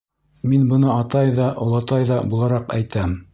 Мин быны атай ҙа, олатай ҙа булараҡ әйтәм.